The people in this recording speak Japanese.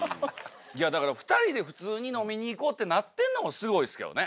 いやだから２人で普通に飲みに行こうってなってんのもすごいですけどね。